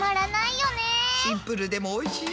シンプルでもおいしい！